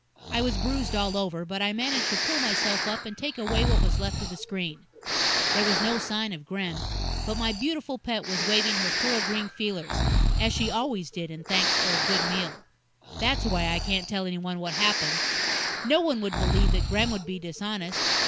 I was bruised all over, but I managed to pull myself up and take away what was left of the screen. There was no sign of Gremm, but my beautiful pet was waving her pearl green feelers as she always did in thanks for a good meal. That's why I can't tell anyone what happened. No one would believe that Gremm would be dishonest.